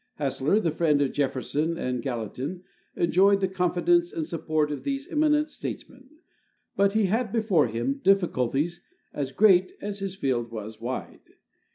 Hassler, the friend of Jefferson and Galla tin, enjoyed the confidence and support of these eminent states men, but he had before him difficulties as great as his field was wide.